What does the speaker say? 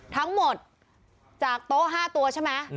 ทั้งหมดจากโต๊ะ๕ตัวใช่ไหม